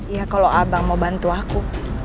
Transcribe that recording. iya kalau abang mau bantu aku